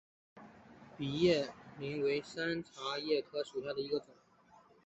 披针叶柃为山茶科柃木属下的一个种。